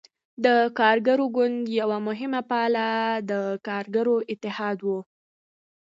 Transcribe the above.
د کارګر ګوند یوه مهمه پایه د کارګرو اتحادیه وه.